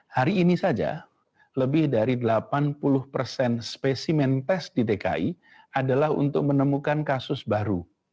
hari ini saja lebih dari delapan puluh persen spesimen tes di dki adalah untuk menemukan kasus baru